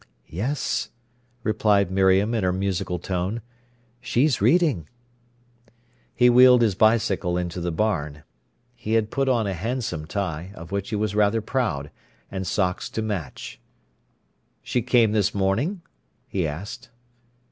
"Yes," replied Miriam in her musical tone. "She's reading." He wheeled his bicycle into the barn. He had put on a handsome tie, of which he was rather proud, and socks to match. "She came this morning?" he asked.